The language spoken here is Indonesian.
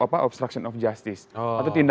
maksudnya dari obstruction of justice ya pasal itu ya